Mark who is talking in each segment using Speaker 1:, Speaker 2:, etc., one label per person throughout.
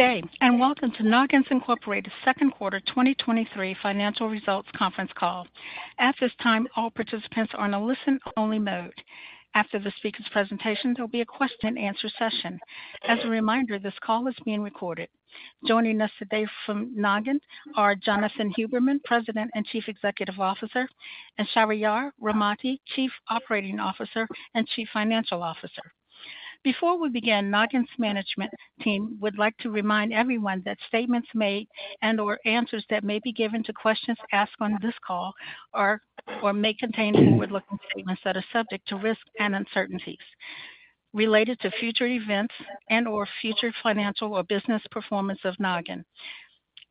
Speaker 1: Good day. Welcome to Nogin Incorporated second quarter 2023 financial results conference call. At this time, all participants are on a listen-only mode. After the speaker's presentation, there'll be a question-and-answer session. As a reminder, this call is being recorded. Joining us today from Nogin are Jonathan Huberman, President and Chief Executive Officer, and Shahriyar Rahmati, Chief Operating Officer and Chief Financial Officer. Before we begin, Nogin's management team would like to remind everyone that statements made and/or answers that may be given to questions asked on this call are or may contain forward-looking statements that are subject to risks and uncertainties related to future events and/or future financial or business performance of Nogin.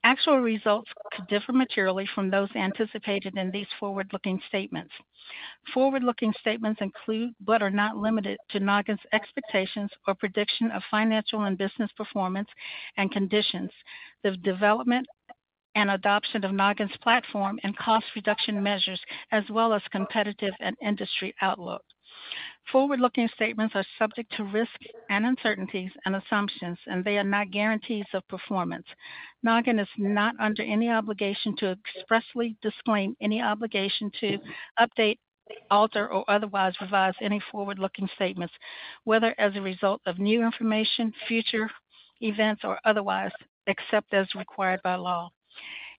Speaker 1: Actual results could differ materially from those anticipated in these forward-looking statements. Forward-looking statements include, but are not limited to, Nogin's expectations or prediction of financial and business performance and conditions, the development and adoption of Nogin's platform, and cost reduction measures, as well as competitive and industry outlook. Forward-looking statements are subject to risks and uncertainties and assumptions, and they are not guarantees of performance. Nogin is not under any obligation to expressly disclaim any obligation to update, alter, or otherwise revise any forward-looking statements, whether as a result of new information, future events, or otherwise, except as required by law.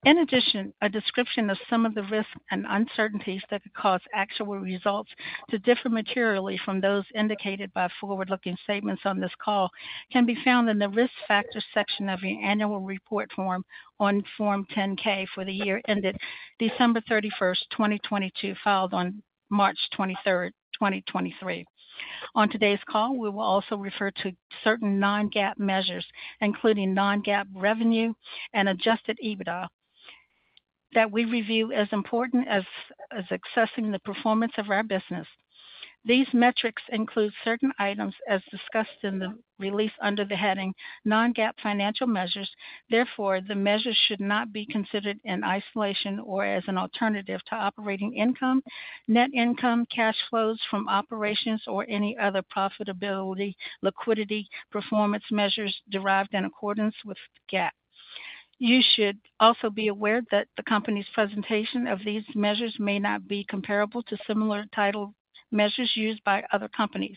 Speaker 1: In addition, a description of some of the risks and uncertainties that could cause actual results to differ materially from those indicated by forward-looking statements on this call can be found in the Risk Factors section of the annual report form on Form 10-K for the year ended December 31st, 2022, filed on March 23rd, 2023. On today's call, we will also refer to certain non-GAAP measures, including non-GAAP revenue and adjusted EBITDA, that we review as important as assessing the performance of our business. These metrics include certain items as discussed in the release under the heading non-GAAP financial measures. Therefore, the measures should not be considered in isolation or as an alternative to operating income, net income, cash flows from operations, or any other profitability, liquidity performance measures derived in accordance with GAAP. You should also be aware that the company's presentation of these measures may not be comparable to similar title measures used by other companies.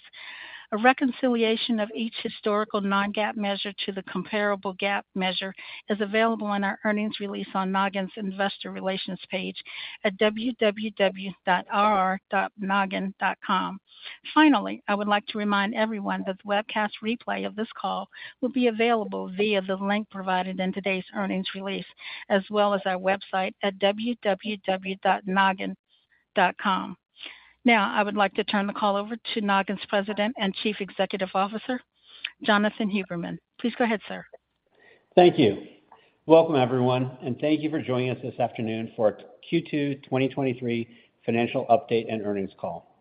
Speaker 1: A reconciliation of each historical non-GAAP measure to the comparable GAAP measure is available in our earnings release on Nogin's Investor Relations page at www.ir.nogin.com. Finally, I would like to remind everyone that the webcast replay of this call will be available via the link provided in today's earnings release, as well as our website at www.nogin.com. Now, I would like to turn the call over to Nogin's President and Chief Executive Officer, Jonathan Huberman. Please go ahead, sir.
Speaker 2: Thank you. Welcome, everyone, and thank you for joining us this afternoon for Q2 2023 financial update and earnings call.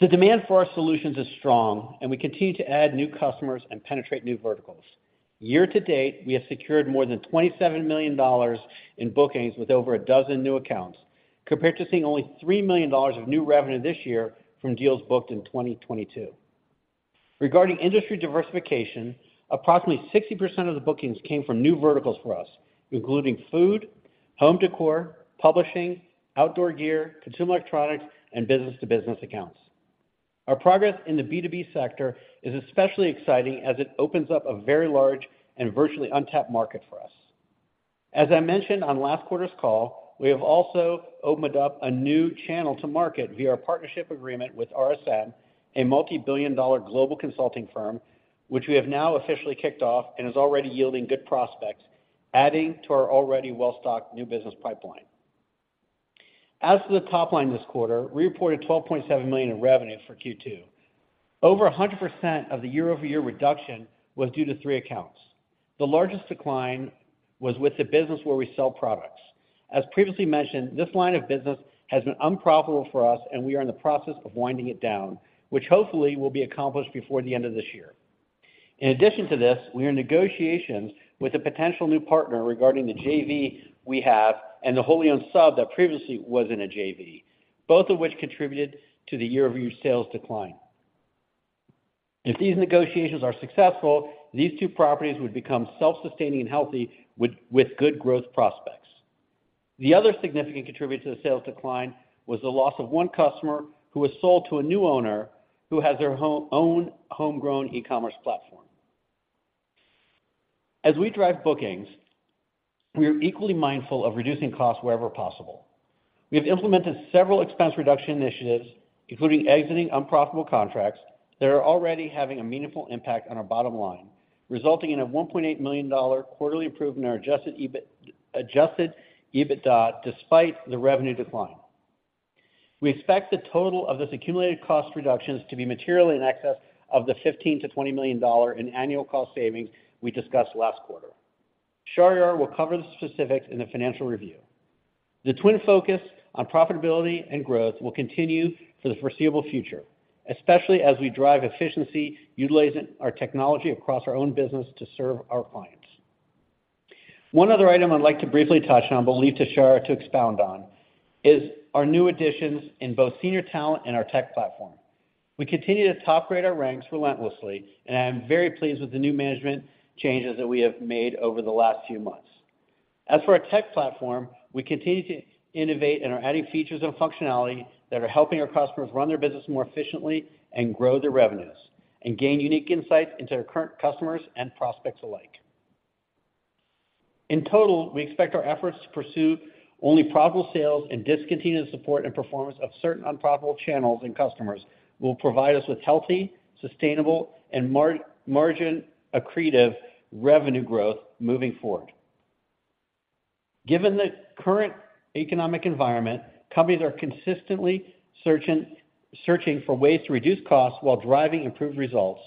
Speaker 2: The demand for our solutions is strong, and we continue to add new customers and penetrate new verticals. Year-to-date, we have secured more than $27 million in bookings with over 12 new accounts, compared to seeing only $3 million of new revenue this year from deals booked in 2022. Regarding industry diversification, approximately 60% of the bookings came from new verticals for us, including food, home decor, publishing, outdoor gear, consumer electronics, and business-to-business accounts. Our progress in the B2B sector is especially exciting as it opens up a very large and virtually untapped market for us. As I mentioned on last quarter's call, we have also opened up a new channel to market via our partnership agreement with RSM, a multi-billion dollar global consulting firm, which we have now officially kicked off and is already yielding good prospects, adding to our already well-stocked new business pipeline. As for the top line, this quarter, we reported $12.7 million in revenue for Q2. Over 100% of the year-over-year reduction was due to three accounts. The largest decline was with the business where we sell products. As previously mentioned, this line of business has been unprofitable for us, and we are in the process of winding it down, which hopefully will be accomplished before the end of this year. In addition to this, we are in negotiations with a potential new partner regarding the JV we have and the wholly owned sub that previously was in a JV, both of which contributed to the year-over-year sales decline. If these negotiations are successful, these two properties would become self-sustaining and healthy with, with good growth prospects. The other significant contributor to the sales decline was the loss of one customer who was sold to a new owner, who has their homegrown e-commerce platform. As we drive bookings, we are equally mindful of reducing costs wherever possible. We have implemented several expense reduction initiatives, including exiting unprofitable contracts that are already having a meaningful impact on our bottom line, resulting in a $1.8 million quarterly improvement in adjusted EBITDA, despite the revenue decline. We expect the total of this accumulated cost reductions to be materially in excess of the $15 million-$20 million in annual cost savings we discussed last quarter. Shahriyar will cover the specifics in the financial review. The twin focus on profitability and growth will continue for the foreseeable future, especially as we drive efficiency, utilizing our technology across our own business to serve our clients. One other item I'd like to briefly touch on, but leave to Shahriyar to expound on, is our new additions in both senior talent and our tech platform. We continue to top grade our ranks relentlessly, and I'm very pleased with the new management changes that we have made over the last few months. As for our tech platform, we continue to innovate and are adding features and functionality that are helping our customers run their business more efficiently and grow their revenues, and gain unique insights into their current customers and prospects alike. In total, we expect our efforts to pursue only profitable sales and discontinued support and performance of certain unprofitable channels and customers will provide us with healthy, sustainable, and margin accretive revenue growth moving forward. Given the current economic environment, companies are consistently searching for ways to reduce costs while driving improved results,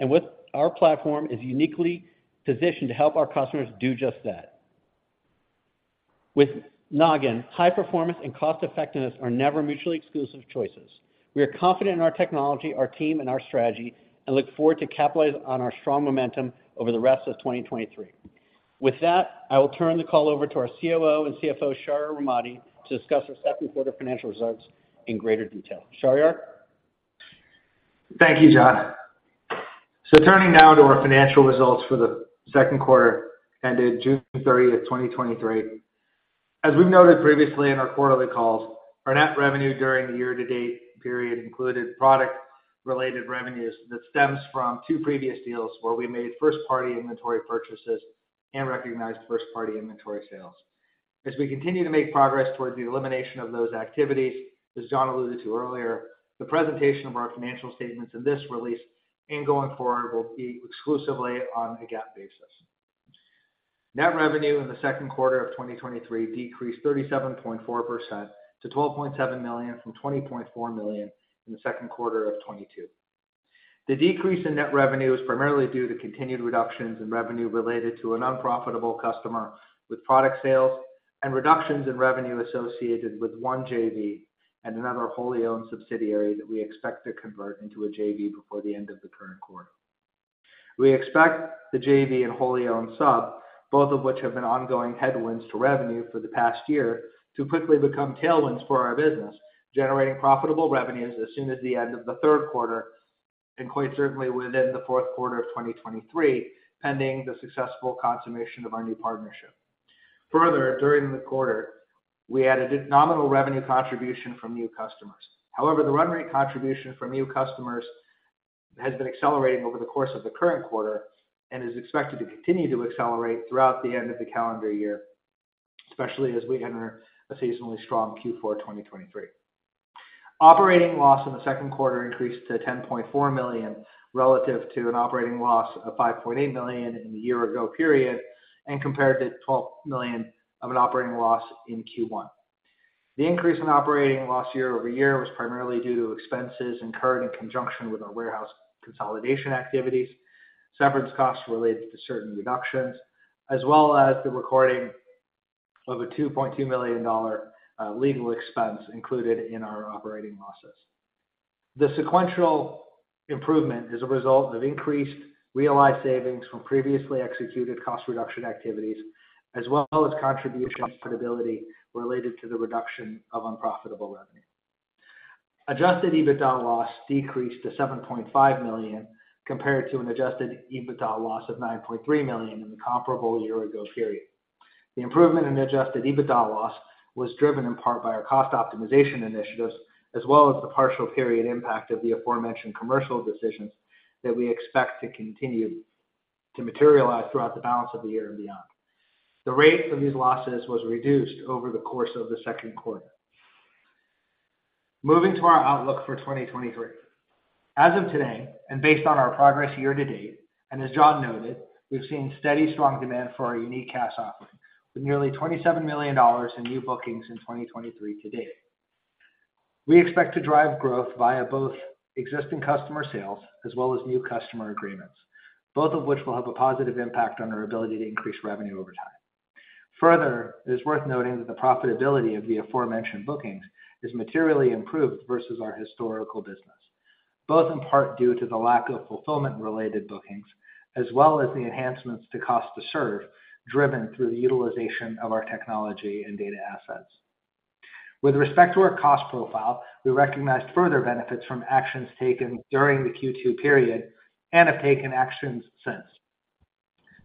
Speaker 2: with our platform, is uniquely positioned to help our customers do just that. With Nogin, high performance and cost effectiveness are never mutually exclusive choices. We are confident in our technology, our team, and our strategy, look forward to capitalize on our strong momentum over the rest of 2023. With that, I will turn the call over to our COO and CFO, Shahriyar Rahmati, to discuss our Q2 financial results in greater detail. Shahriyar?
Speaker 3: Thank you, Jon. Turning now to our financial results for the second quarter ended June 30th, 2023. As we've noted previously in our quarterly calls, our net revenue during the year-to-date period included product-related revenues that stems from two previous deals, where we made first-party inventory purchases and recognized first-party inventory sales. As we continue to make progress towards the elimination of those activities, as Jon alluded to earlier, the presentation of our financial statements in this release and going forward, will be exclusively on a GAAP basis. Net revenue in the second quarter of 2023 decreased 37.4% to $12.7 million, from $20.4 million in the second quarter of 2022. The decrease in net revenue is primarily due to continued reductions in revenue related to an unprofitable customer with product sales and reductions in revenue associated with one JV and another wholly owned subsidiary that we expect to convert into a JV before the end of the current quarter. We expect the JV and wholly owned sub, both of which have been ongoing headwinds to revenue for the past year, to quickly become tailwinds for our business, generating profitable revenues as soon as the end of the third quarter, and quite certainly within the fourth quarter of 2023, pending the successful consummation of our new partnership. Further, during the quarter, we added a nominal revenue contribution from new customers. The run rate contribution from new customers has been accelerating over the course of the current quarter and is expected to continue to accelerate throughout the end of the calendar year, especially as we enter a seasonally strong Q4 2023. Operating loss in the second quarter increased to $10.4 million, relative to an operating loss of $5.8 million in the year-ago period, and compared to $12 million of an operating loss in Q1. The increase in operating loss year-over-year was primarily due to expenses incurred in conjunction with our warehouse consolidation activities, severance costs related to certain reductions, as well as the recording of a $2.2 million legal expense included in our operating losses. The sequential improvement is a result of increased realized savings from previously executed cost reduction activities, as well as contribution profitability related to the reduction of unprofitable revenue. Adjusted EBITDA loss decreased to $7.5 million, compared to an adjusted EBITDA loss of $9.3 million in the comparable year ago period. The improvement in adjusted EBITDA loss was driven in part by our cost optimization initiatives, as well as the partial period impact of the aforementioned commercial decisions that we expect to continue to materialize throughout the balance of the year and beyond. The rate of these losses was reduced over the course of the second quarter. Moving to our outlook for 2023. As of today, and based on our progress year-to-date, and as Jon noted, we've seen steady, strong demand for our unique CaaS offering, with nearly $27 million in new bookings in 2023 to date. We expect to drive growth via both existing customer sales as well as new customer agreements, both of which will have a positive impact on our ability to increase revenue over time. Further, it is worth noting that the profitability of the aforementioned bookings is materially improved versus our historical business, both in part due to the lack of fulfillment-related bookings, as well as the enhancements to cost to serve, driven through the utilization of our technology and data assets. With respect to our cost profile, we recognized further benefits from actions taken during the Q2 period and have taken actions since.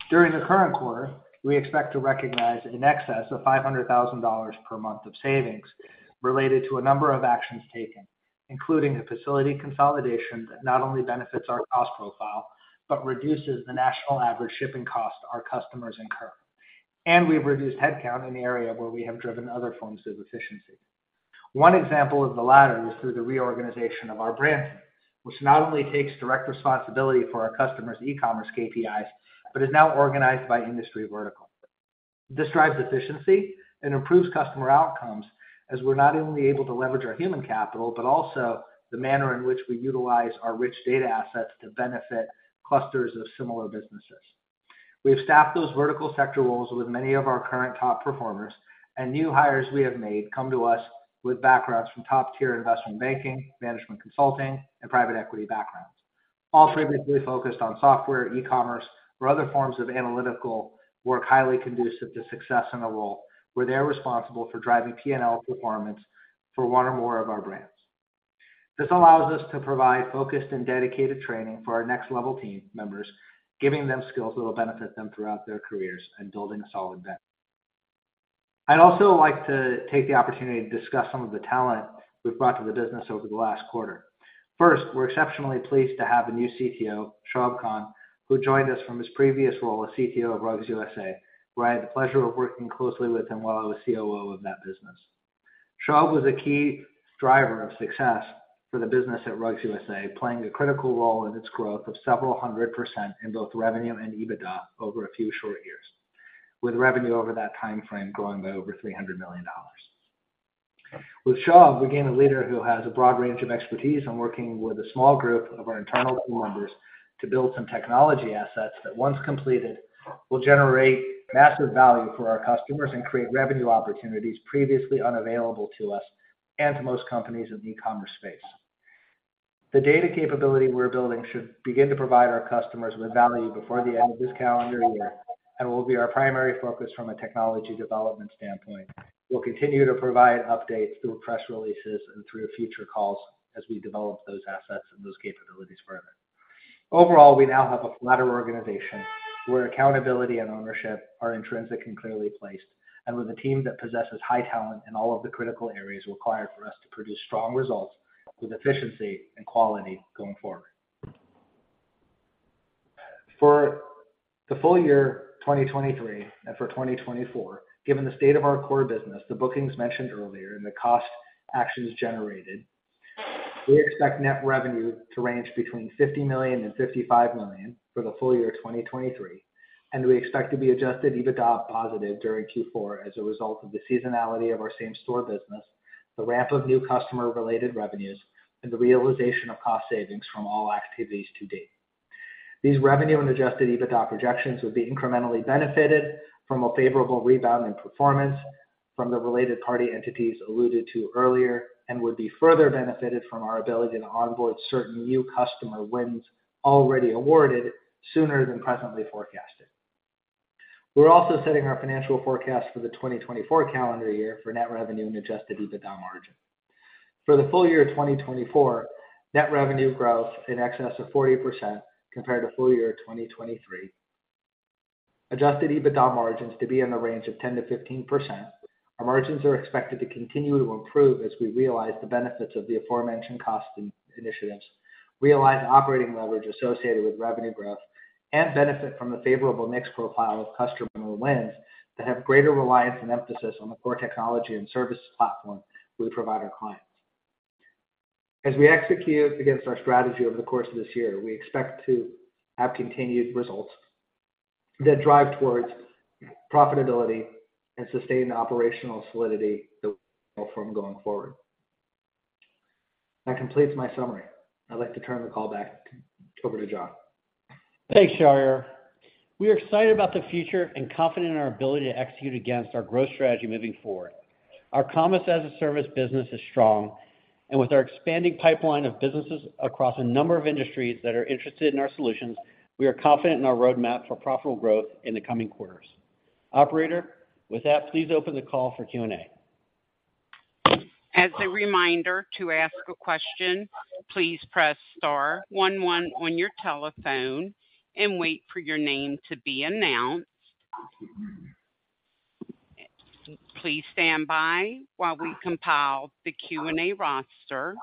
Speaker 3: During the current quarter, we expect to recognize in excess of $500,000 per month of savings related to a number of actions taken, including a facility consolidation that not only benefits our cost profile, but reduces the national average shipping cost our customers incur. We've reduced headcount in the area where we have driven other forms of efficiency. One example of the latter is through the reorganization of our brand team, which not only takes direct responsibility for our customers' e-commerce KPIs, but is now organized by industry vertical. This drives efficiency and improves customer outcomes, as we're not only able to leverage our human capital, but also the manner in which we utilize our rich data assets to benefit clusters of similar businesses. We have staffed those vertical sector roles with many of our current top performers. New hires we have made come to us with backgrounds from top-tier investment banking, management consulting, and private equity backgrounds. All previously focused on software, e-commerce, or other forms of analytical work, highly conducive to success in a role where they're responsible for driving P&L performance for one or more of our brands. This allows us to provide focused and dedicated training for our next level team members, giving them skills that will benefit them throughout their careers and building a solid bench. I'd also like to take the opportunity to discuss some of the talent we've brought to the business over the last quarter. First, we're exceptionally pleased to have a new CTO, Shoab Khan, who joined us from his previous role as CTO of Rugs USA, where I had the pleasure of working closely with him while I was COO of that business. Shoab was a key driver of success for the business at Rugs USA, playing a critical role in its growth of several 100% in both revenue and EBITDA over a few short years, with revenue over that time frame growing by over $300 million. With Shoab, we gain a leader who has a broad range of expertise in working with a small group of our internal team members to build some technology assets that, once completed, will generate massive value for our customers and create revenue opportunities previously unavailable to us and to most companies in the e-commerce space. The data capability we're building should begin to provide our customers with value before the end of this calendar year and will be our primary focus from a technology development standpoint. We'll continue to provide updates through press releases and through future calls as we develop those assets and those capabilities further. Overall, we now have a flatter organization where accountability and ownership are intrinsic and clearly placed, and with a team that possesses high talent in all of the critical areas required for us to produce strong results with efficiency and quality going forward. For the full year 2023 and for 2024, given the state of our core business, the bookings mentioned earlier, and the cost actions generated, we expect net revenue to range between $50 million-$55 million for the full year 2023, and we expect to be adjusted EBITDA positive during Q4 as a result of the seasonality of our same store business, the ramp of new customer-related revenues, and the realization of cost savings from all activities to date. These revenue and adjusted EBITDA projections would be incrementally benefited from a favorable rebound in performance from the related party entities alluded to earlier and would be further benefited from our ability to onboard certain new customer wins already awarded sooner than presently forecasted. We're also setting our financial forecast for the 2024 calendar year for net revenue and adjusted EBITDA margin. For the full year 2024, net revenue growth in excess of 40% compared to full year 2023. Adjusted EBITDA margins to be in the range of 10%-15%. Our margins are expected to continue to improve as we realize the benefits of the aforementioned cost initiatives, realize operating leverage associated with revenue growth, and benefit from the favorable mix profile of customer wins that have greater reliance and emphasis on the core technology and services platform we provide our clients. As we execute against our strategy over the course of this year, we expect to have continued results that drive towards profitability and sustain the operational solidity that we form going forward. That completes my summary. I'd like to turn the call back over to Jon.
Speaker 2: Thanks, Shahriyar. We are excited about the future and confident in our ability to execute against our growth strategy moving forward. Our Commerce-as-a-Service business is strong, and with our expanding pipeline of businesses across a number of industries that are interested in our solutions, we are confident in our roadmap for profitable growth in the coming quarters. Operator, with that, please open the call for Q&A.
Speaker 1: As a reminder, to ask a question, please press star one one on your telephone and wait for your name to be announced. Please stand by while we compile the Q&A roster.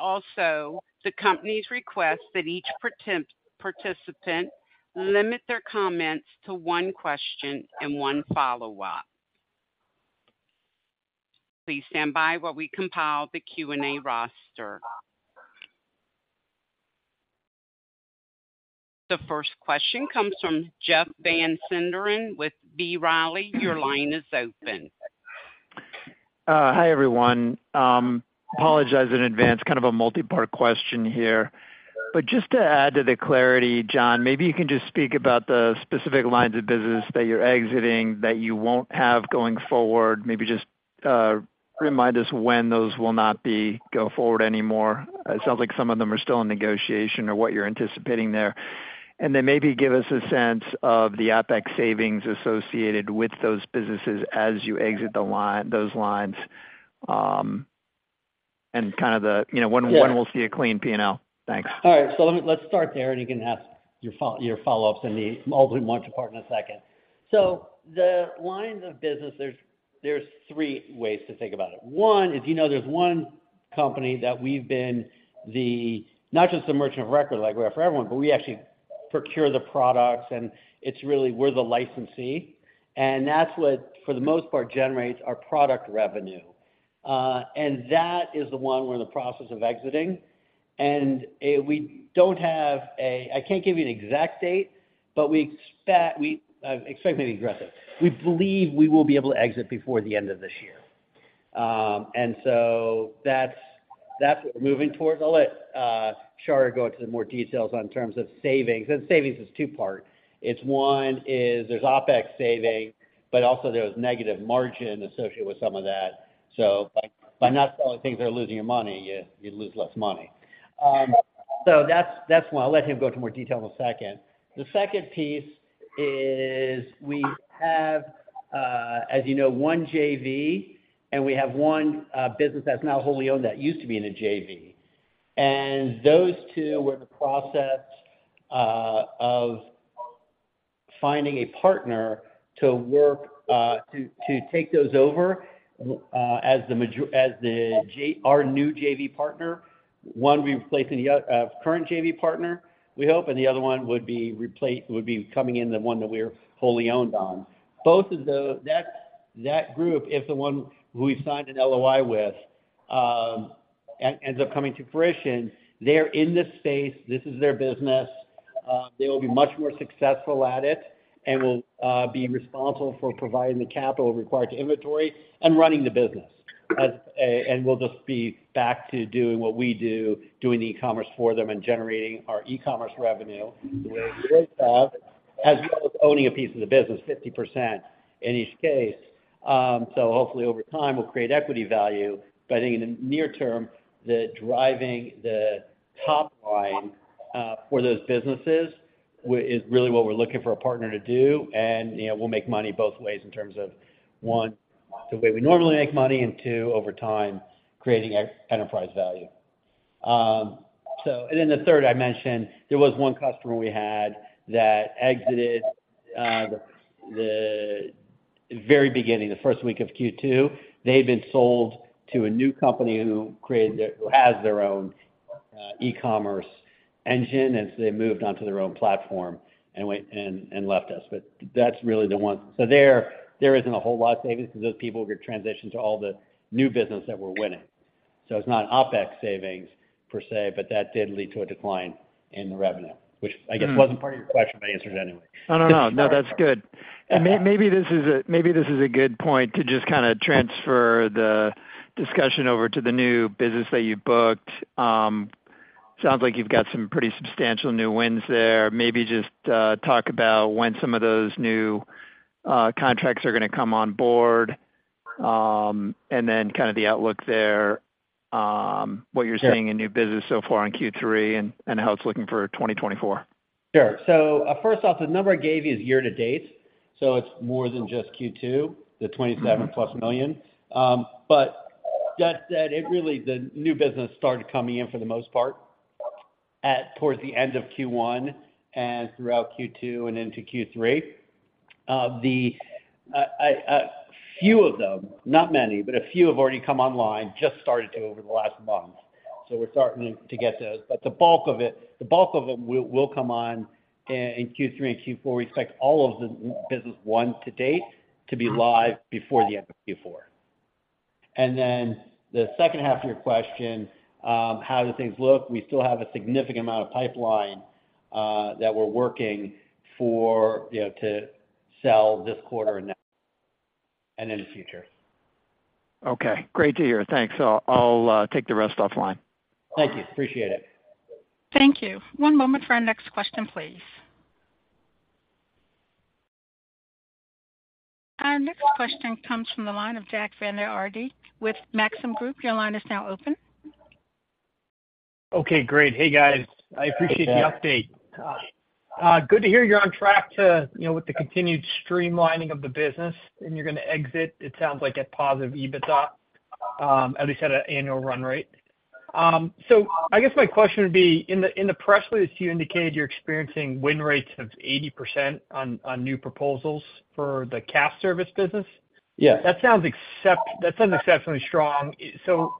Speaker 1: Also, the company's request that each participant limit their comments to one question and one follow-up. Please stand by while we compile the Q&A roster. The first question comes from Jeff Van Sinderen with B. Riley. Your line is open.
Speaker 4: Hi, everyone. Apologize in advance. Kind of a multipart question here, but just to add to the clarity, Jon, maybe you can just speak about the specific lines of business that you're exiting that you won't have going forward. Maybe just remind us when those will not be go forward anymore. It sounds like some of them are still in negotiation or what you're anticipating there. Then maybe give us a sense of the OpEx savings associated with those businesses as you exit the line-- those lines. And kind of the, you know, when, when we'll see a clean P&L? Thanks.
Speaker 2: All right. Let, let's start there, and you can ask your follow, your follow-ups in the multi-part in a second. The lines of business, there's, there's three ways to think about it. One, as you know, there's one company that we've been the not just the merchant of record, like we are for everyone, but we actually procure the products, and it's really we're the licensee, and that's what, for the most part, generates our product revenue. That is the one we're in the process of exiting. We don't have a I can't give you an exact date, but we expect may be aggressive. We believe we will be able to exit before the end of this year. That's, that's what we're moving towards. I'll let Shahriyar go into more details on terms of savings. Savings is two-part. It's one is there's OpEx saving, but also there was negative margin associated with some of that. By, by not selling things that are losing your money, you, you lose less money. That's, that's one. I'll let him go into more detail in a second. The second piece is we have, as you know, one JV, and we have one business that's now wholly owned that used to be in a JV. Those two, we're in the process of finding a partner to work to take those over as our new JV partner. one, we replaced the current JV partner, we hope, and the other one would be coming in, the one that we're wholly owned on. Both of that, that group, if the one who we've signed an LOI with, and ends up coming to fruition, they're in this space, this is their business. They will be much more successful at it and will be responsible for providing the capital required to inventory and running the business. As, and we'll just be back to doing what we do, doing the e-commerce for them and generating our e-commerce revenue, the way we have, as well as owning a piece of the business, 50% in each case. So hopefully, over time, we'll create equity value. I think in the near term, the driving the top line, for those businesses, wi- is really what we're looking for a partner to do, and, you know, we'll make money both ways in terms of, one, the way we normally make money, and two, over time, creating enterprise value. And then the third I mentioned, there was one customer we had that exited, the, the very beginning, the first week of Q2. They've been sold to a new company who created their-- who has their own e-commerce engine, and so they moved on to their own platform and went-- and, and left us. That's really the one. There, there isn't a whole lot of savings because those people were transitioned to all the new business that we're winning. It's not OpEx savings per se, but that did lead to a decline in the revenue, which I guess wasn't part of your question, but I answered anyway.
Speaker 4: No, no, no. That's good. Maybe this is a, maybe this is a good point to just kinda transfer the discussion over to the new business that you booked. Sounds like you've got some pretty substantial new wins there. Maybe just talk about when some of those new contracts are gonna come on board, and then kind of the outlook there, what you're seeing in new business so far in Q3, and, and how it's looking for 2024.
Speaker 2: Sure. First off, the number I gave you is year-to-date, so it's more than just Q2, the $27+ million. That said, it really, the new business started coming in for the most part at towards the end of Q1 and throughout Q2 and into Q3. The few of them, not many, but a few have already come online, just started to over the last month. We're starting to get those. The bulk of it, the bulk of them will, will come on in Q3 and Q4. We expect all of the business won to date to be live before the end of Q4. The second half of your question, how do things look? We still have a significant amount of pipeline, that we're working for, you know, to sell this quarter and, and in the future.
Speaker 4: Okay. Great to hear. Thanks. I'll take the rest offline.
Speaker 2: Thank you. Appreciate it.
Speaker 1: Thank you. One moment for our next question, please. Our next question comes from the line of Jack Vander Aarde with Maxim Group. Your line is now open.
Speaker 5: Okay, great. Hey, guys.
Speaker 2: Hey, Jack.
Speaker 5: I appreciate the update. good to hear you're on track to, you know, with the continued streamlining of the business, and you're gonna exit, it sounds like, a positive EBITDA, at least at an annual run rate. I guess my question would be: in the press release, you indicated you're experiencing win rates of 80% on new proposals for the CaaS service business?
Speaker 2: Yes.
Speaker 5: That sounds exceptionally strong.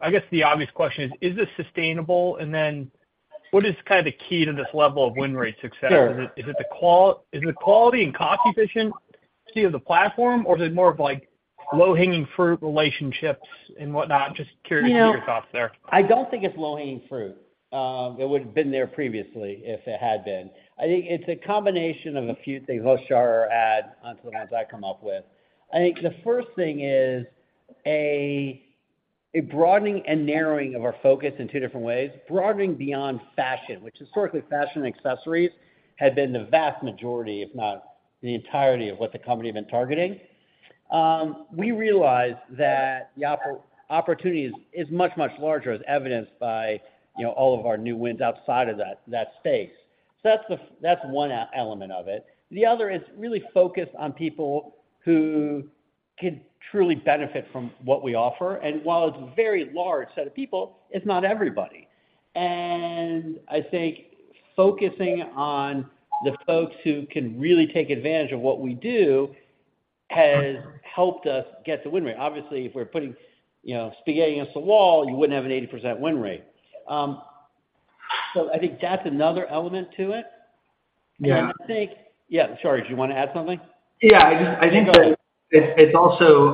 Speaker 5: I guess the obvious question is: Is this sustainable? Then, what is kind of the key to this level of win rate success?
Speaker 2: Sure.
Speaker 5: Is it, is it the Is it quality and cost efficiency of the platform, or is it more of like low-hanging fruit relationships and whatnot? Just curious?
Speaker 2: You know.
Speaker 5: -to hear your thoughts there.
Speaker 2: I don't think it's low-hanging fruit. It would have been there previously if it had been. I think it's a combination of a few things. Hoschar will add onto the ones I come up with. I think the first thing is a broadening and narrowing of our focus in two different ways. Broadening beyond fashion, which historically, fashion and accessories had been the vast majority, if not the entirety, of what the company had been targeting. We realized that the opportunity is, is much, much larger, as evidenced by, you know, all of our new wins outside of that, that space. That's that's one element of it. The other is really focused on people who can truly benefit from what we offer, and while it's a very large set of people, it's not everybody. I think focusing on the folks who can really take advantage of what we do, has helped us get the win rate. Obviously, if we're putting, you know, spaghetti against the wall, you wouldn't have an 80% win rate. I think that's another element to it.
Speaker 3: Yeah.
Speaker 2: I think. Yeah, sorry, did you want to add something?
Speaker 3: Yeah, I think that it's, it's also,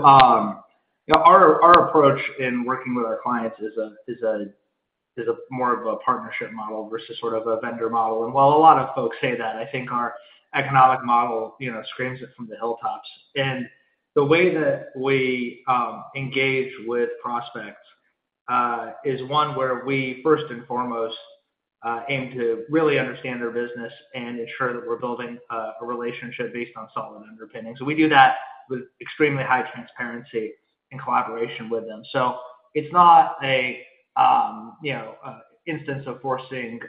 Speaker 3: you know, our, our approach in working with our clients is a, is a, is a more of a partnership model versus sort of a vendor model. While a lot of folks say that, I think our economic model, you know, screams it from the hilltops. The way that we engage with prospects...... is one where we first and foremost, aim to really understand their business and ensure that we're building a relationship based on solid underpinnings. We do that with extremely high transparency and collaboration with them. It's not a, you know, instance of forcing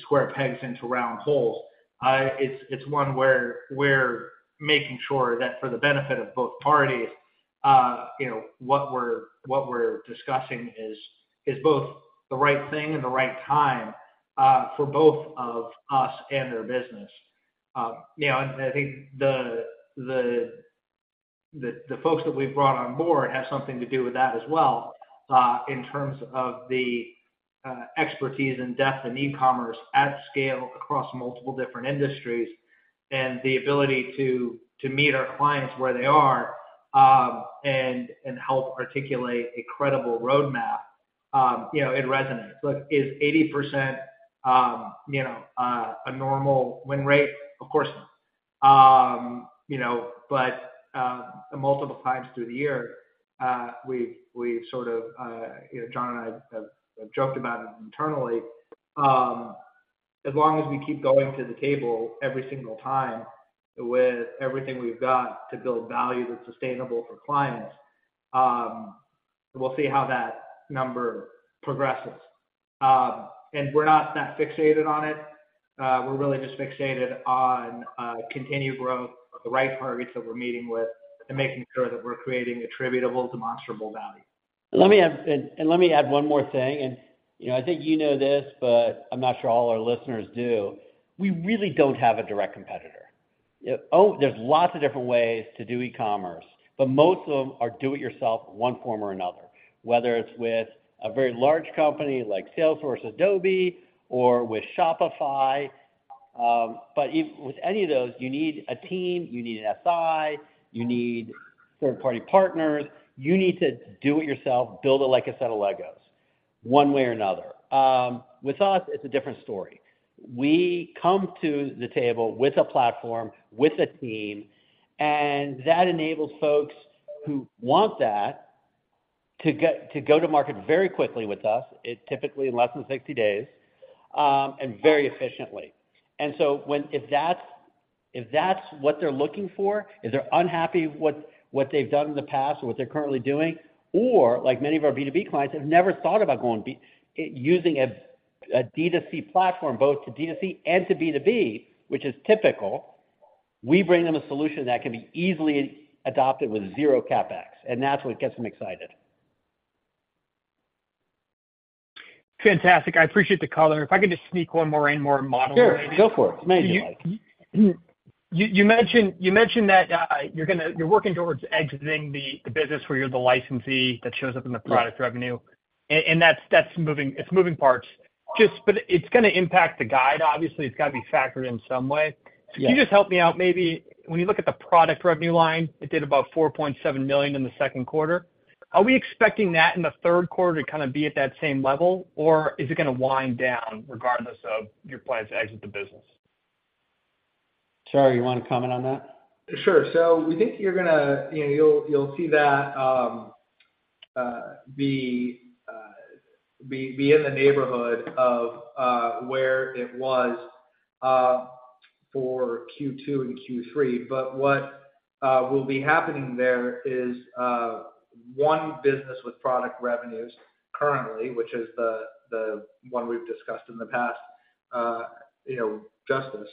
Speaker 3: square pegs into round holes. It's one where we're making sure that for the benefit of both parties, you know, what we're discussing is both the right thing and the right time, for both of us and their business. You know, and I think the, the, the, the folks that we've brought on board have something to do with that as well, in terms of the expertise and depth in e-commerce at scale across multiple different industries, and the ability to, to meet our clients where they are, and, and help articulate a credible roadmap, you know, it resonates. Look, is 80%, you know, a normal win rate? Of course not. You know, but multiple times through the year, we've, we've sort of, you know, Jon and I have, have joked about it internally. As long as we keep going to the table every single time with everything we've got to build value that's sustainable for clients, we'll see how that number progresses. And we're not that fixated on it. We're really just fixated on continued growth of the right parties that we're meeting with and making sure that we're creating attributable, demonstrable value.
Speaker 2: Let me add, let me add one more thing, you know, I think you know this, but I'm not sure all our listeners do. We really don't have a direct competitor. There's lots of different ways to do e-commerce, but most of them are do-it-yourself, one form or another, whether it's with a very large company like Salesforce, Adobe, or with Shopify. With any of those, you need a team, you need an SI, you need third-party partners. You need to do it yourself, build it like a set of Legos, one way or another. With us, it's a different story. We come to the table with a platform, with a team, and that enables folks who want that to get-- to go to market very quickly with us, it's typically in less than 60 days, and very efficiently. If that's, if that's what they're looking for, if they're unhappy with what they've done in the past or what they're currently doing, or like many of our B2B clients, have never thought about going B-- using a, a D2C platform, both to D2C and to B2B, which is typical, we bring them a solution that can be easily adopted with zero CapEx, and that's what gets them excited.
Speaker 5: Fantastic! I appreciate the color. If I could just sneak one more in, more model maybe?
Speaker 2: Sure, go for it. As many as you like.
Speaker 5: You, you, you mentioned, you mentioned that, you're you're working towards exiting the, the business where you're the licensee that shows up in the product revenue.
Speaker 2: Yeah.
Speaker 5: That's, that's moving, it's moving parts. Just, but it's gonna impact the guide. Obviously, it's got to be factored in some way.
Speaker 2: Yes.
Speaker 5: Can you just help me out, maybe, when you look at the product revenue line, it did about $4.7 million in the second quarter. Are we expecting that in the third quarter to kind of be at that same level, or is it gonna wind down regardless of your plans to exit the business?
Speaker 2: Shahriyar, you want to comment on that?
Speaker 3: Sure. We think you're gonna, you know, you'll, you'll see that be in the neighborhood of where it was for Q2 and Q3. What will be happening there is one business with product revenues currently, which is the, the one we've discussed in the past, you know, Justice.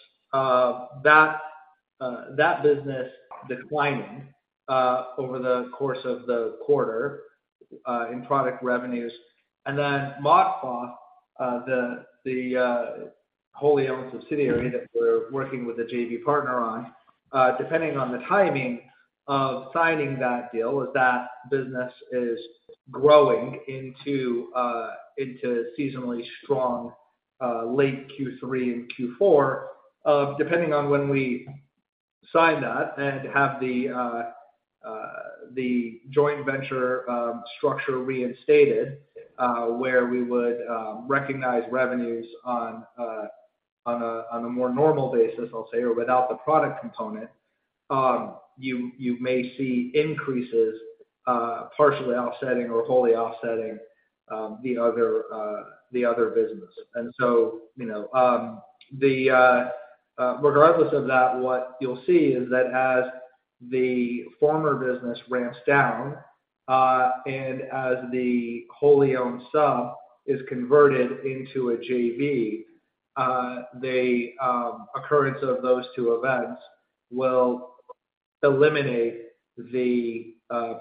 Speaker 3: That business declining over the course of the quarter in product revenues. ModCloth, the, the wholly owned subsidiary that we're working with a JV partner on, depending on the timing of signing that deal, if that business is growing into a, into seasonally strong, late Q3 and Q4, depending on when we sign that and have the, the joint venture structure reinstated, where we would recognize revenues on a, on a, on a more normal basis, I'll say, or without the product component, you, you may see increases, partially offsetting or wholly offsetting, the other, the other business. You know, the, regardless of that, what you'll see is that as the former business ramps down, and as the wholly owned sub is converted into a JV, the occurrence of those two events will eliminate the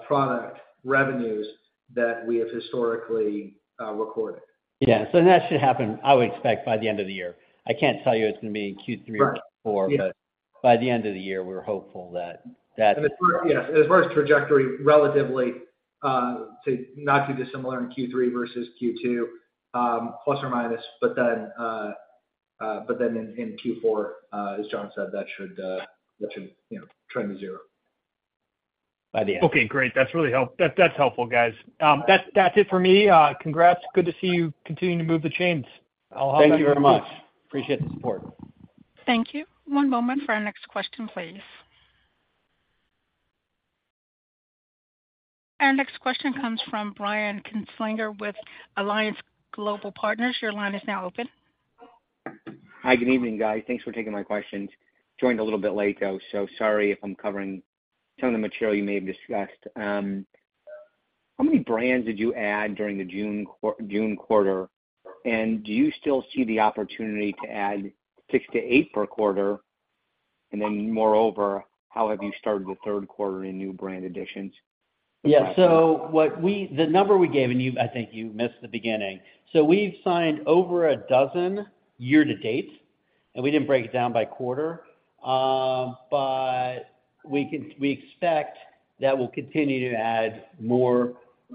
Speaker 3: product revenues that we have historically recorded.
Speaker 2: Yeah. That should happen, I would expect, by the end of the year. I can't tell you it's going to be in Q3-
Speaker 5: Right.
Speaker 2: Q4, but by the end of the year, we're hopeful that, that-
Speaker 3: As far as trajectory, relatively, to not too dissimilar in Q3 versus Q2, plus or minus, but then in Q4, as Jon said, that should, that should, you know, trend to 0.
Speaker 2: By the end.
Speaker 5: Okay, great. That, that's helpful, guys. That's, that's it for me. Congrats. Good to see you continuing to move the chains.
Speaker 2: Thank you very much. Appreciate the support.
Speaker 1: Thank you. One moment for our next question, please. Our next question comes from Brian Kinstlinger with Alliance Global Partners. Your line is now open.
Speaker 6: Hi, good evening, guys. Thanks for taking my questions. Joined a little bit late, though, so sorry if I'm covering some of the material you may have discussed. How many brands did you add during the June quarter, and do you still see the opportunity to add six to eight per quarter? Then moreover, how have you started the third quarter in new brand additions?
Speaker 2: Yeah. The number we gave, and you, I think you missed the beginning. We've signed over a dozen year-to-date, and we didn't break it down by quarter. We expect that we'll continue to add more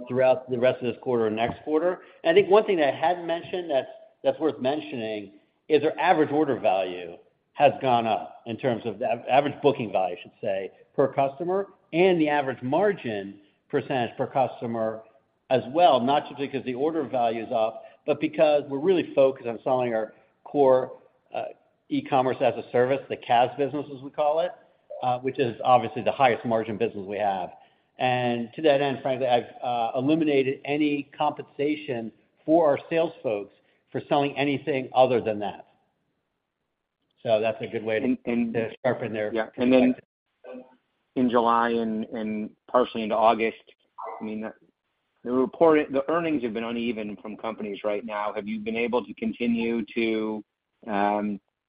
Speaker 2: throughout the rest of this quarter or next quarter. I think one thing that I hadn't mentioned, that's, that's worth mentioning is our average order value has gone up in terms of the average booking value, I should say, per customer, and the average margin percent per customer as well, not just because the order value is up, but because we're really focused on selling our core e-Commerce-as-a-Service, the CaaS business, as we call it, which is obviously the highest margin business we have. To that end, frankly, I've eliminated any compensation for our sales folks for selling anything other than that. That's a good way to sharpen their.
Speaker 6: Yeah. Then in July and, and partially into August, I mean, the reporting, the earnings have been uneven from companies right now. Have you been able to continue to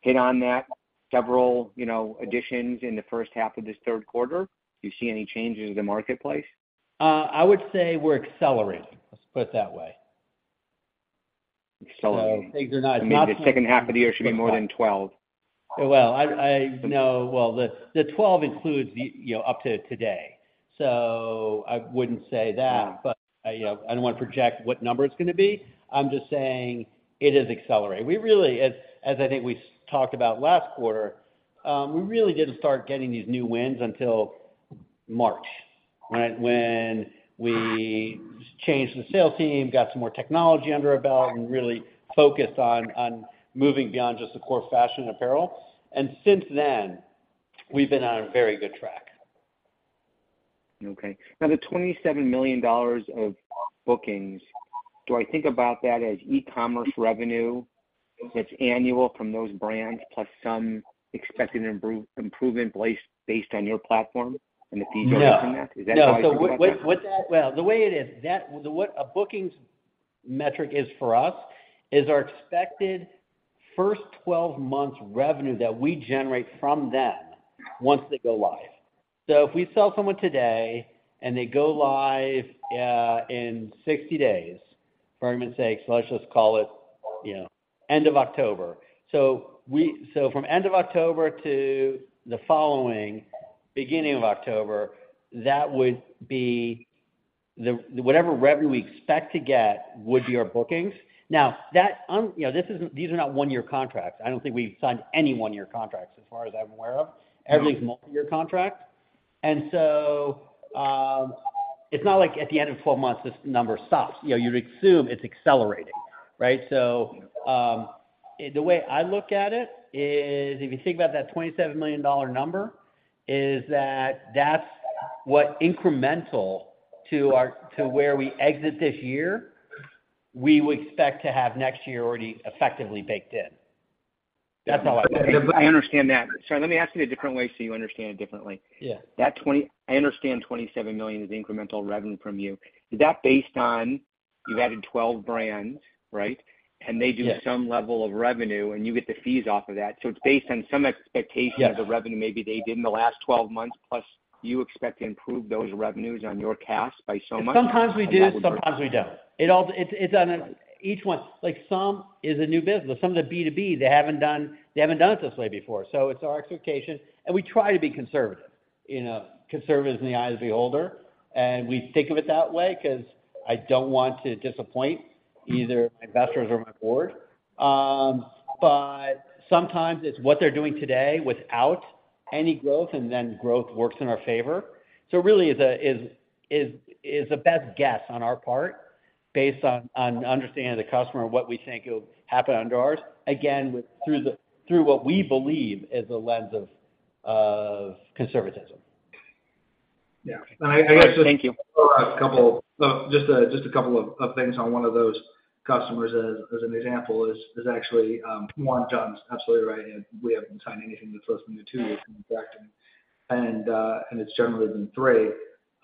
Speaker 6: hit on that several, you know, additions in the first half of this third quarter? Do you see any changes in the marketplace?
Speaker 2: I would say we're accelerating. Let's put it that way.
Speaker 6: Accelerating.
Speaker 2: Things are not-
Speaker 6: The second half of the year should be more than $12.
Speaker 2: Well, I, I. No. Well, the 12 includes the, you know, up to today, so I wouldn't say that.
Speaker 6: Yeah.
Speaker 2: You know, I don't want to project what number it's gonna be. I'm just saying it is accelerating. We really as, as I think we talked about last quarter, we really didn't start getting these new wins until March, right? When we changed the sales team, got some more technology under our belt, and really focused on, on moving beyond just the core fashion apparel. Since then, we've been on a very good track.
Speaker 6: Okay. Now, the $27 million of bookings, do I think about that as e-commerce revenue that's annual from those brands, plus some expected improve, improvement place based on your platform and the fees on that?
Speaker 2: No.
Speaker 6: Is that how I think about that?
Speaker 2: No. What that... Well, the way it is, that, what a bookings metric is for us, is our expected first 12 months revenue that we generate from them once they go live. If we sell someone today and they go live in 60 days, for argument's sake, let's just call it, you know, end of October. We-- so from end of October to the following beginning of October, that would be the-- whatever revenue we expect to get would be our bookings. Now, that, you know, this is, these are not one-year contracts. I don't think we've signed any one-year contracts as far as I'm aware of.
Speaker 6: Mm-hmm.
Speaker 2: Everything's multi-year contract. It's not like at the end of 12 months, this number stops. You know, you'd assume it's accelerating, right? The way I look at it is if you think about that $27 million number, is that, that's what incremental to our, to where we exit this year, we would expect to have next year already effectively baked in. That's how I look at it.
Speaker 6: I understand that. Let me ask you a different way so you understand it differently.
Speaker 2: Yeah.
Speaker 6: I understand $27 million is incremental revenue from you. Is that based on you've added 12 brands, right?
Speaker 2: Yeah.
Speaker 6: They do some level of revenue, and you get the fees off of that. It's based on some expectation-
Speaker 2: Yeah
Speaker 6: of the revenue maybe they did in the last 12 months, plus you expect to improve those revenues on your CaaS by so much?
Speaker 2: Sometimes we do, sometimes we don't. It's on each one. Like, some is a new business. Some of the B2B, they haven't done, they haven't done it this way before. It's our expectation, and we try to be conservative, you know, conservative in the eyes of the holder. We think of it that way because I don't want to disappoint either my investors or my board. But sometimes it's what they're doing today without any growth, and then growth works in our favor. It really is a, is, is, is the best guess on our part, based on, on understanding the customer and what we think will happen under ours. Again, with, through the, through what we believe is the lens of, of conservatism.
Speaker 6: Yeah. Thank you.
Speaker 3: A couple, just a couple of things on one of those customers, as an example, is actually, one, Jon's absolutely right, we haven't signed anything that's less than the two years. It's generally been three.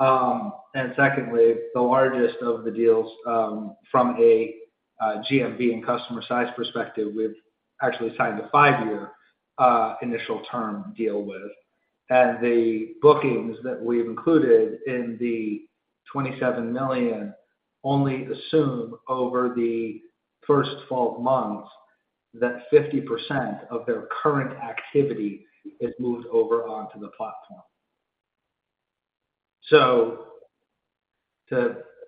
Speaker 3: Secondly, the largest of the deals, from a GMV and customer size perspective, we've actually signed a five-year initial term deal with. The bookings that we've included in the $27 million only assume over the first 12 months that 50% of their current activity is moved over onto the platform. To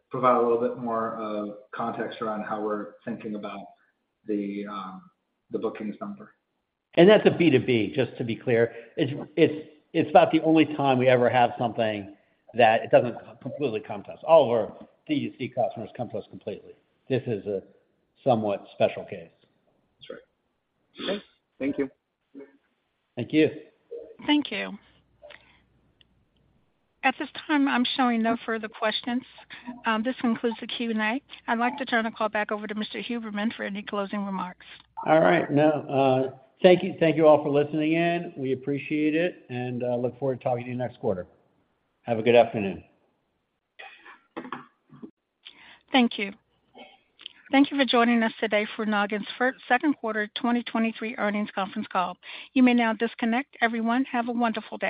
Speaker 3: provide a little bit more of context around how we're thinking about the bookings number.
Speaker 2: That's a B2B, just to be clear. It's, it's, it's about the only time we ever have something that it doesn't completely come to us. All of our D2C customers come to us completely. This is a somewhat special case.
Speaker 3: That's right.
Speaker 6: Okay. Thank you.
Speaker 2: Thank you.
Speaker 3: Thank you. At this time, I'm showing no further questions. This concludes the Q&A. I'd like to turn the call back over to Mr. Huberman for any closing remarks.
Speaker 2: All right. Now, thank you, thank you all for listening in. We appreciate it, and look forward to talking to you next quarter. Have a good afternoon.
Speaker 1: Thank you. Thank you for joining us today for Nogin's second quarter 2023 earnings conference call. You may now disconnect. Everyone, have a wonderful day.